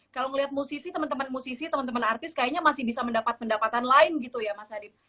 kalau melihat musisi teman teman musisi teman teman artis kayaknya masih bisa mendapat pendapatan lain gitu ya mas adip